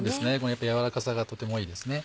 やっぱり軟らかさがとてもいいですね。